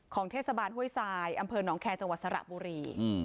เทศบาลห้วยทรายอำเภอหนองแคร์จังหวัดสระบุรี